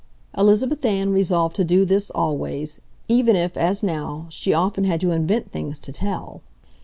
Elizabeth Ann resolved to do this always, even if, as now, she often had to invent things to tell.